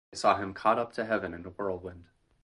They saw him caught up to heaven in a whirlwind.